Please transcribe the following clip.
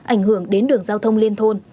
ảnh hưởng đến đường giao thông lên thôn